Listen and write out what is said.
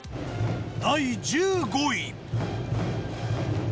第１５位。